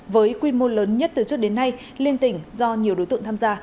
với quy mô lớn nhất từ trước đến nay liên tỉnh do nhiều đối tượng tham gia